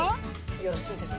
よろしいですか？